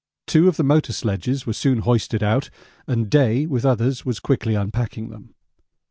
Two of the motor sledges were soon hoisted out, and Day with others was quickly unpacking them.